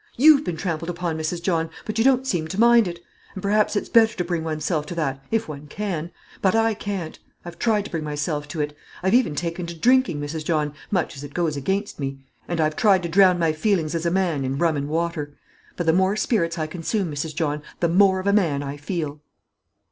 You've been trampled upon, Mrs. John, but you don't seem to mind it; and perhaps it's better to bring oneself to that, if one can; but I can't. I've tried to bring myself to it; I've even taken to drinking, Mrs. John, much as it goes against me; and I've tried to drown my feelings as a man in rum and water. But the more spirits I consume, Mrs. John, the more of a man I feel."